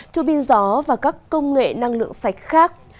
thư binh gió và các công nghệ năng lượng sạch khác